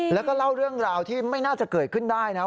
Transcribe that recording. แล้วก็เล่าเรื่องราวที่ไม่น่าจะเกิดขึ้นได้นะ